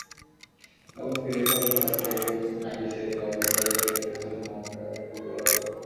এমনকি রেফারির কাছ থেকেও নাকি সেদিন অবিচারের শিকার হয়েছিলেন মোহামেডানের ফুটবলাররা।